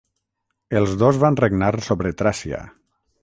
El dos van regnar sobre Tràcia.